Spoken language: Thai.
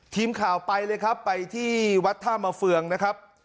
ทีมข่าวไปเลยครับไปที่วัดท่ามาเฟืองนะครับ